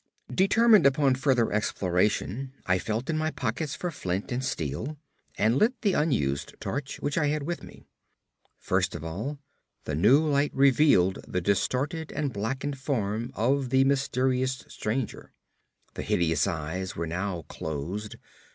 Determined upon further exploration, I felt in my pockets for flint and steel, and lit the unused torch which I had with me. First of all, the new light revealed the distorted and blackened form of the mysterious stranger. The hideous eyes were now closed.